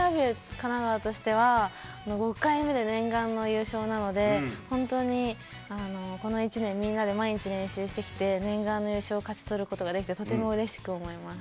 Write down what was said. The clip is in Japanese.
神奈川としては、５回目で念願の優勝なので、本当にこの１年、みんなで毎日練習してきて、念願の優勝を勝ち取ることができて、とてもうれしく思います。